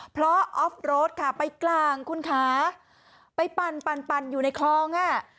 เพราะออฟโรดค่ะไปกลางคุณค้าไปปั่นอยู่ในคลอง